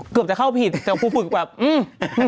เกือบจะเข้าผิดแต่ครูฝึกแบบอืม